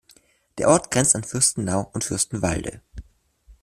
Der Ort grenzt an Fürstenau und Fürstenwalde.